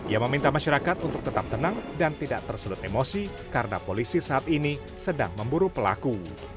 ia meminta masyarakat untuk tetap tenang dan tidak terselut emosi karena polisi saat ini sedang memburu pelaku